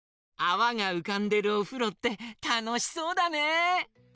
あわがうかんでるおふろってたのしそうだね！